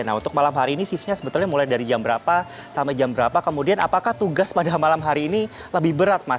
nah untuk malam hari ini shiftnya sebetulnya mulai dari jam berapa sampai jam berapa kemudian apakah tugas pada malam hari ini lebih berat mas